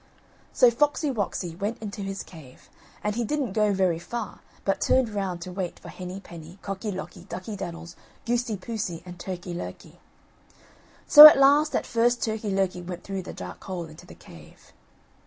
So Foxy woxy went into his cave, and he didn't go very far but turned round to wait for Henny Penny, Cocky locky, Ducky daddles, Goosey poosey and Turkey lurkey. So at last at first Turkey lurkey went through the dark hole into the cave.